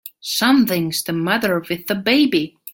Something's the matter with the baby!